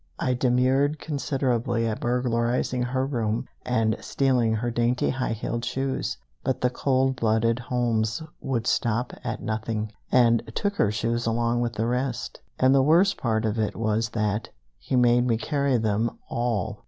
I demurred considerably at burglarizing her room and stealing her dainty high heeled shoes; but the cold blooded Holmes would stop at nothing, and took her shoes along with the rest. And the worst part of it was that he made me carry them all!